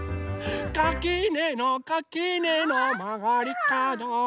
「かきねのかきねのまがりかど」